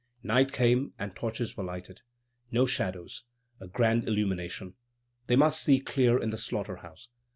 Night came, and torches were lighted. No shadows; a grand illumination. They must see clearly in the slaughter house.